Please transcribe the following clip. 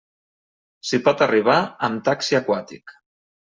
S'hi pot arribar amb taxi aquàtic.